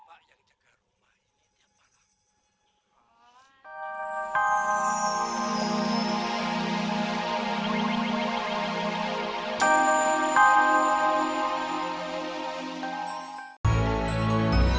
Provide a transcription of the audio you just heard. pak yang jaga rumah ini tiap malam